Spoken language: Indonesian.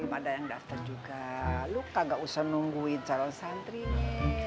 belom ada yang daftar juga lu kagak usah nungguin calon santrinye